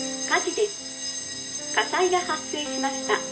火災が発生しました」